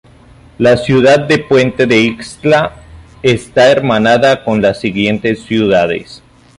La ciudad de Puente de Ixtla está hermanada con las siguientes ciudades